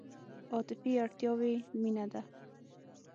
عاطفي اړتیاوې مینه ده.